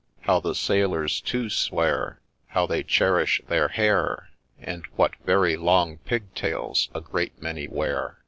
— How the Sailors, too, swear, How they cherish their hair, And what very long pigtails a great many wear.